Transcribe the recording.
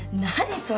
それ。